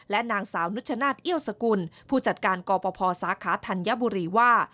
นางสาวนุชนาธิเอี้ยวสกุลผู้จัดการกปภสาขาธัญบุรีว่า